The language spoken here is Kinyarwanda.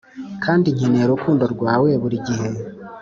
kandi nkeneye urukundo rwawe burigihe